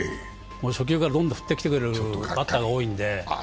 初球からどんどん振ってきてくれるバッターが多いので。